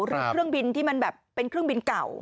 เครื่องบินที่มันแบบเป็นเครื่องบินเก่า